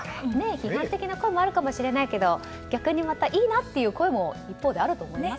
批判的な声もあるかもしれないけれど逆にいいなという声も一方であると思います。